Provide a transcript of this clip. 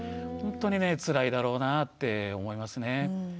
ほんとにねつらいだろうなって思いますね。